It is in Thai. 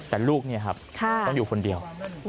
แต่ลูกต้องอยู่คนเดียว